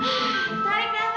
duh tuh tuh tuh